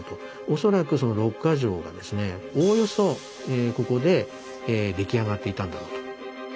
恐らくその６か条がですねおおよそここで出来上がっていたんだろうと。